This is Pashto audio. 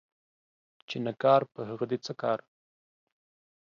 چي نه کار په هغه دي څه کار.